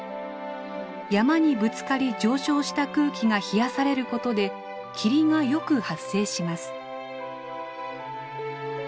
山にぶつかり上昇した空気が冷やされることで霧がよく発生します。